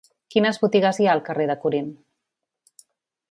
Quines botigues hi ha al carrer de Corint?